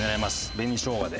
紅しょうがで。